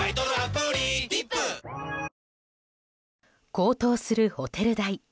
高騰するホテル代。